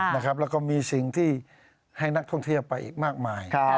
แล้วก็มีสิ่งที่ให้นักท่องเที่ยวไปอีกมากมาย